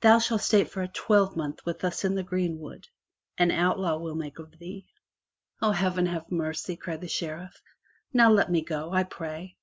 Thou shalt stay for a twelvemonth with us in the greenwood — an outlaw we'll make of thee!" "O, heaven have mercy," cried the Sheriff. "Now let me go, I pray!"